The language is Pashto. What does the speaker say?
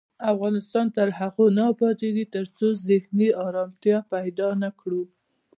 افغانستان تر هغو نه ابادیږي، ترڅو ذهني ارامتیا پیدا نکړو.